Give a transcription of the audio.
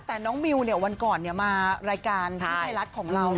แต่น้องมิววันก่อนมารายการที่ไทยรัฐของเรา